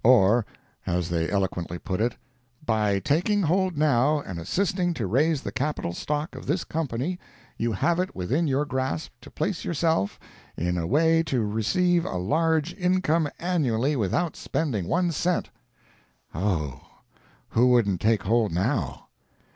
—or, as they eloquently put it, "By taking hold now, and assisting to raise the capital stock of this company, you have it within your grasp to place yourself [in] a way to receive a large income annually without spending one cent!" Oh, who wouldn't take hold now?